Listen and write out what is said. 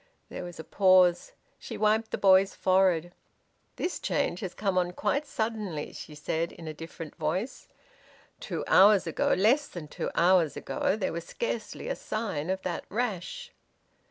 There was a pause. She wiped the boy's forehead. "This change has come on quite suddenly," she said, in a different voice. "Two hours ago less than two hours ago there was scarcely a sign of that rash."